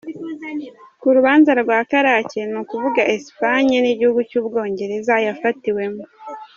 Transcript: Ku rubanza rwa Karake, ni ukuvuga Esipanye, n’igihugu cy’u Bwongereza yafatiwemo.